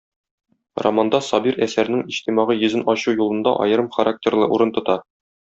Романда Сабир әсәрнең иҗтимагый йөзен ачу юлында аерым характерлы урын тота.